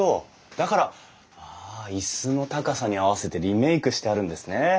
だから椅子の高さに合わせてリメークしてあるんですね。